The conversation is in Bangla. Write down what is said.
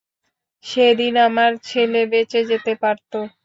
সেদিন আমার ছেলে বেঁচে যেতে পারত।